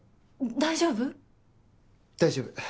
大丈夫。